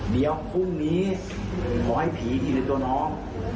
เดี๋ยวพรุ่งนี้หมอให้ผีที่อยู่ในตัวน้อง